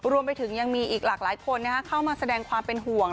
รวมไปถึงยังมีอีกหลากหลายคนเข้ามาแสดงความเป็นห่วง